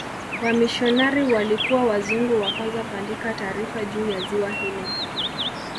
wamishionari walikuwa wazungu wa kwanza kuandika taarifa juu ya ziwa hili